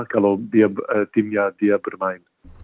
kalau timnya dia bermain